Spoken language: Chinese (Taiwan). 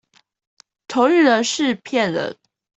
同運人士騙人